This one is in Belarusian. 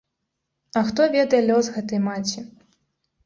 А хто ведае лёс гэтай маці?